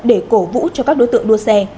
để cổ vũ cho các đối tượng đua xe